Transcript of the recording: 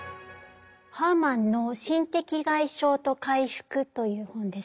ハーマンの「心的外傷と回復」という本です。